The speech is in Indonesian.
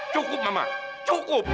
cukup mama cukup